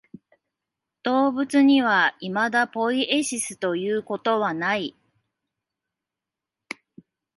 動物にはいまだポイエシスということはない。